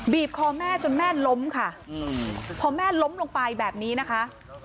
คอแม่จนแม่ล้มค่ะพอแม่ล้มลงไปแบบนี้นะคะ